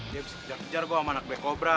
dia abis kejar kejar gua sama anak black cobra